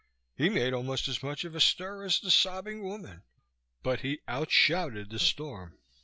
He made almost as much of a stir as the sobbing woman, but he outshouted the storm.